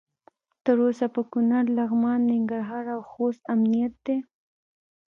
تر اوسه په کنړ، لغمان، ننګرهار او خوست امنیت دی.